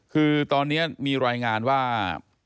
คือตอนนี้มีรายงานว่า